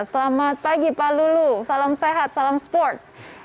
selamat pagi pak lulu salam sehat salam sport